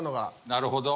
なるほど。